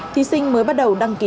thí sinh mới bắt đầu đăng ký